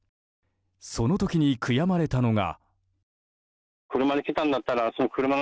その時に悔やまれたのが。